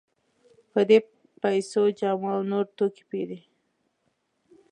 په دې پیسو جامې او نور توکي پېري.